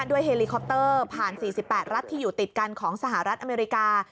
เฮลิคอปเตอร์ผ่าน๔๘รัฐที่อยู่ติดกันของสหรัฐอเมริกา